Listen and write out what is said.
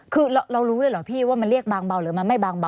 คือเรารู้เลยเหรอพี่ว่ามันเรียกบางเบาหรือมันไม่บางเบา